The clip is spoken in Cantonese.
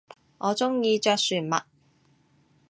我中意着船襪